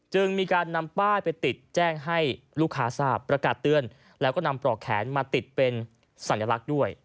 จึงมีการนำป้ายไปติดแจ้งให้ลูกค้าทราบประกาศเตือนแล้วก็นำปลอกแขนมาติดเป็นสัญลักษณ์ด้วย